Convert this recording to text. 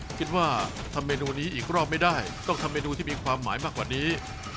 คิดว่าทำเมนูนี้อีกรอบไม่ได้ต้องทำเมนูที่มีความหมายมากกว่านี้